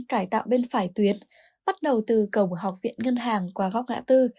cải tạo bên phải tuyến bắt đầu từ cổng học viện ngân hàng qua góc ngã tư